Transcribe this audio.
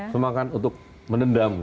semangat untuk menendam